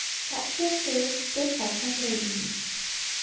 CHAPTER II. THE SECOND LADY.